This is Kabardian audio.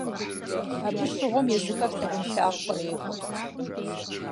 Абы щыгъуэм езыхэр лъагъунлъагъу кърекӀуэ.